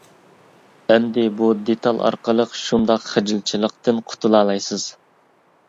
ئەمدى بۇ دېتال ئارقىلىق شۇنداق خىجىلچىلىقتىن قۇتۇلالايسىز.